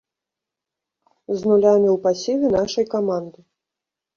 З нулямі ў пасіве нашай каманды.